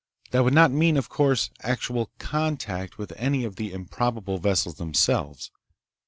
That would not mean, of course, actual contact with any of the improbable vessels themselves.